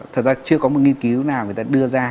thật ra chưa có một nghiên cứu nào người ta đưa ra